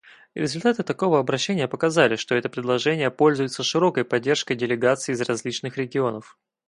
Результаты такого обращения показали, что это предложение пользуется широкой поддержкой делегаций из различных регионов.